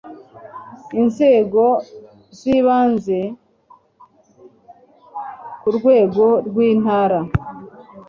inzego zibanze ku rwego rw intara